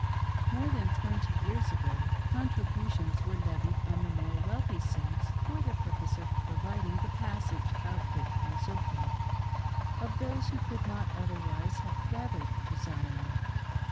More than twenty years ago contributions were levied on the more wealthy Saints for the purpose of providing the passage, outfit, &c., of those who could not otherwise have " gathered to Zion."